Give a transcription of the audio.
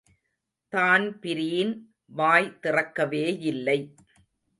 Dan Breen வாய் திறக்கவேயில்லை.